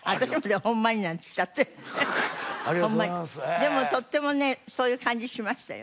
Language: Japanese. でもとってもねそういう感じしましたよ。